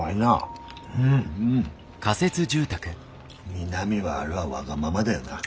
美波はあれはわがままだよな。